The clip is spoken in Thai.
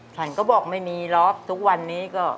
ฉันก็บอกไม่มีหรอกทุกวันนี้ก็